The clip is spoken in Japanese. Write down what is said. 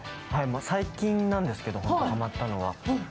最近なんですけど、ハマったのは。